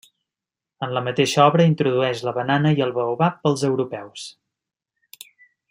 En la mateixa obra introdueix la banana i el baobab pels europeus.